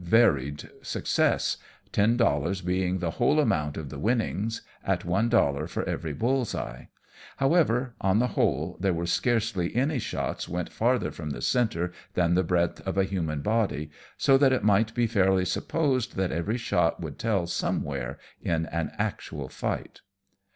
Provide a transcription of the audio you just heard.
varied success, ten dollars being the whole amount of the winnings, at one dollar for every bull's eye ; however, on the whole, there were scarcely any shots went farther from the centre than the breadth of a human body, so that it might be fairly supposed that every shot would tell somewhere in an actual fight.